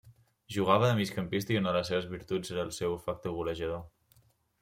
Jugava de migcampista i una de les seves virtuts era el seu olfacte golejador.